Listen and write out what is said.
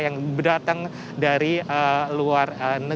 yang berdatang dari luar